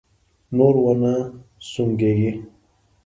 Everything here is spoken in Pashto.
نور و نه سونګېږې!